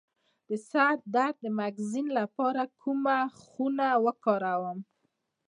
د سر درد د میګرین لپاره کومه خونه وکاروم؟